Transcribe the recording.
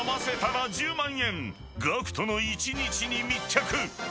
［ＧＡＣＫＴの１日に密着］